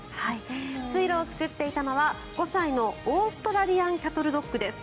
水路を作っていたのは５歳のオーストラリアン・キャトル・ドッグです。